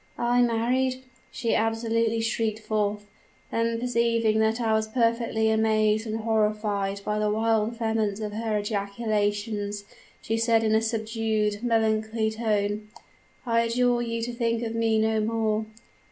"'I married!' she absolutely shrieked forth. Then perceiving that I was perfectly amazed and horrified by the wild vehemence of her ejaculations, she said in a subdued, melancholy tone, 'I adjure you to think of me no more.'